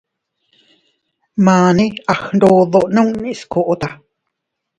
Mane a sndodo nunni skota.